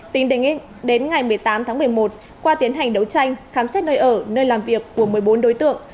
tính đến ngày một mươi tám tháng một mươi một qua tiến hành đấu tranh khám xét nơi ở nơi làm việc của một mươi bốn đối tượng